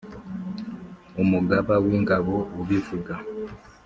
Umugaba w’ingabo ubivuga :